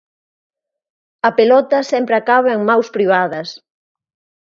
A pelota sempre acaba en mans privadas.